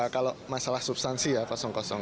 kalau masalah substansi ya kosong kosong